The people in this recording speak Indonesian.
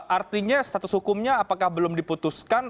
artinya status hukumnya apakah belum diputuskan